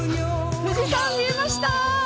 富士山見えました！